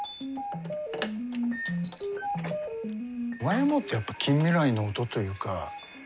ＹＭＯってやっぱ近未来の音というか。